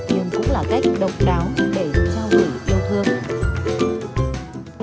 nhưng cũng là cách độc đáo để trao gửi yêu thương